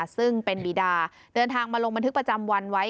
ซึ่งเป็นบีดาเดินทางมาลงบันทึกประจำวันไว้